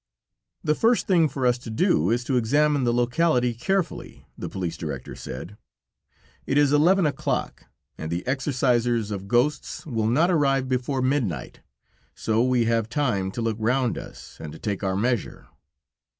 "The first thing for us to do is to examine the locality carefully," the police director said; "it is eleven o'clock and the exorcisers of ghosts will not arrive before midnight, so we have time to look round us, and to take our measure."